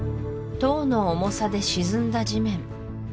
塔の重さで沈んだ地面